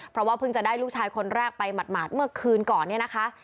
เพราะว่าเพิ่งจะได้ลูกชายคนแรกไปหมาดเมื่อคืนก่อนเนี่ยนะคะ